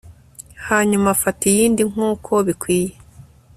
Hanyuma afata iyindi nkuko bikwiye